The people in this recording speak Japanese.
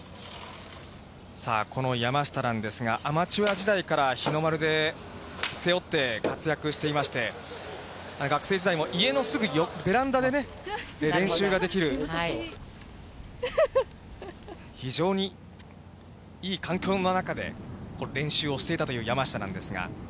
さあ、この山下なんですが、アマチュア時代から日の丸背負って活躍していまして、学生時代も家のすぐ、ベランダでね、練習ができる、非常にいい環境の中で、練習をしていたという山下なんですが。